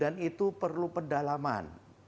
dan itu perlu pendalaman